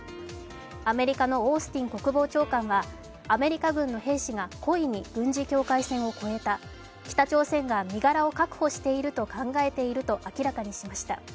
アメリカのオースティン国防長官はアメリカ軍の兵士が故意に軍事境界線を越えた、北朝鮮が身柄を確保していると考えていると明らかにしました。